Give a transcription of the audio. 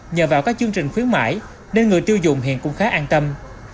nhờ vào các chương trình khuyến mãi nên người tiêu dùng hiện cũng khá an tâm